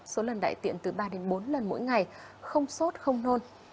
số lần đại tiện từ ba đến bốn lần mỗi ngày không sốt không nôn